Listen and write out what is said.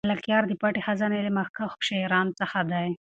ملکیار د پټې خزانې له مخکښو شاعرانو څخه دی.